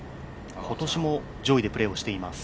今年も上位でプレーをしています。